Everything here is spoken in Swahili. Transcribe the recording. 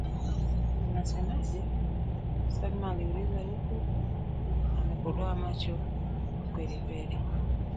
"Unasemaje?" Salma aliuliza huku amekodoa macho kwelikweli